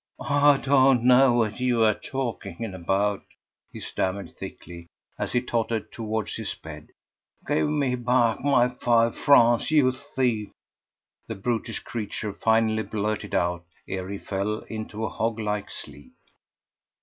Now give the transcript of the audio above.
"I don't know what you are talking about!" he stammered thickly, as he tottered towards his bed. "Give me back my five francs, you thief!" the brutish creature finally blurted out ere he fell into a hog like sleep.